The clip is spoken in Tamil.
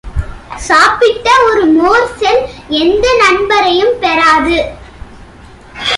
சாப்பிட்ட ஒரு மோர்செல் எந்த நண்பரையும் பெறாது.